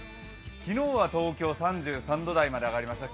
昨日は東京、３３度台まで上がりました。